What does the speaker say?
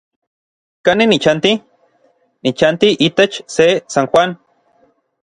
¿Kanin nichanti? Nichanti itech se San Juan.